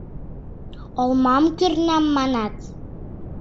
— Олмам кӱрынам, манат?..